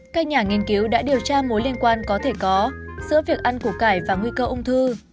các nhà nghiên cứu đã điều tra mối liên quan có thể có giữa việc ăn của cải và nguy cơ ung thư